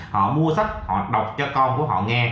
họ mua sách họ đọc cho con của họ nghe